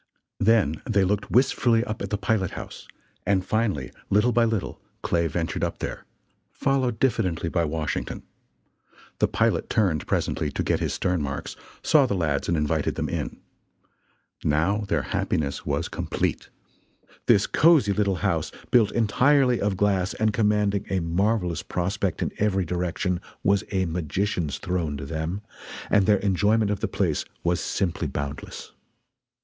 Then they looked wistfully up at the pilot house, and finally, little by little, Clay ventured up there, followed diffidently by Washington. The pilot turned presently to "get his stern marks," saw the lads and invited them in. Now their happiness was complete. This cosy little house, built entirely of glass and commanding a marvelous prospect in every direction was a magician's throne to them and their enjoyment of the place was simply boundless.